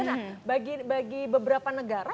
nah bagi beberapa negara